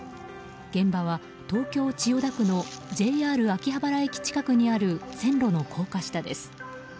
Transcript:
現場は、東京・千代田区のＪＲ秋葉原駅近くにある線路の高架下です。